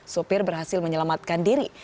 sopir berhasil menyelamatkan diri